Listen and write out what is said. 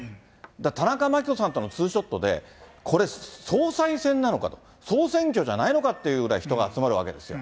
田中真紀子さんとのツーショットで、これ総裁選なのかと、総選挙じゃないのかっていうくらい、人が集まるわけですよ。